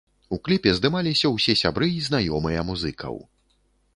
У кліпе здымаліся ўсе сябры і знаёмыя музыкаў.